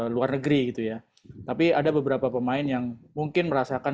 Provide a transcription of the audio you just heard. luar negeri gitu ya tapi ada beberapa pemain yang mungkin merasakan